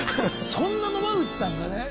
そんな野間口さんがね